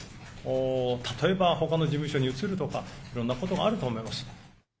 例えば、ほかの事務所に移るとかいろんなことがあると思います。